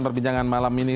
perbincangan malam ini